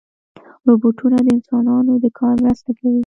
روبوټونه د انسانانو د کار مرسته کوي.